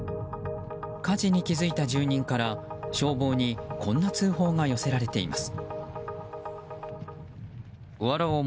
火事に気付いた住人から、消防にこんな通報が寄せられています。